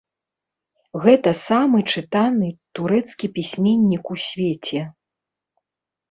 Гэта самы чытаны турэцкі пісьменнік у свеце.